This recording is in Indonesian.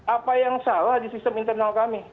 apa yang salah di sistem internal kami